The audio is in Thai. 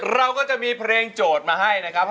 เราก็จะมีเพลงโจทย์มาให้นะครับ